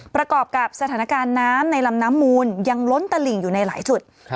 ประกอบกับสถานการณ์น้ำในลำน้ำมูลยังล้นตลิ่งอยู่ในหลายจุด